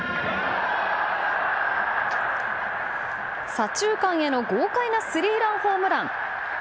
左中間への豪快なスリーランホームラン。